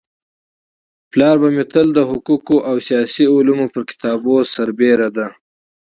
پلار به مي تل د حقوقو او سياسي علومو پر كتابو سربيره د